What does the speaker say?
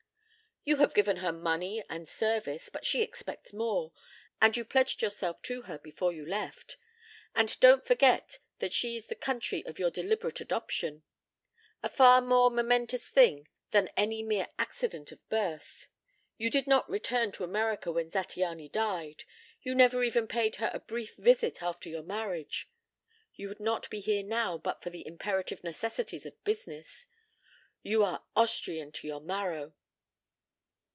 "You have given her money and service, but she expects more, and you pledged yourself to her before you left. And don't forget that she is the country of your deliberate adoption. A far more momentous thing than any mere accident of birth. You did not return to America when Zattiany died. You never even paid her a brief visit after your marriage. You would not be here now but for the imperative necessities of business. You are Austrian to your marrow."